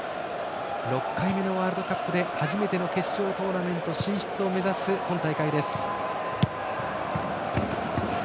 ６回目のワールドカップで初めての決勝トーナメント進出を目指す今大会です。